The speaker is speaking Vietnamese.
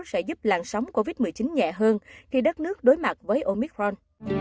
sẽ giúp làn sóng covid một mươi chín nhẹ hơn khi đất nước đối mặt với omicron